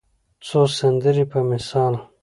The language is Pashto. څو سندرې په مثال